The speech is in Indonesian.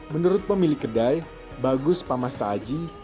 menurut pemilik kedai bagus pamasta aji